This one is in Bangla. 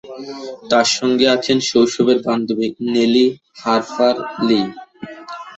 তার সঙ্গে আছেন শৈশবের বান্ধবী নেলি হার্পার লি।